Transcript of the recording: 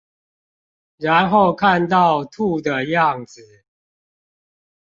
然後看到吐的樣子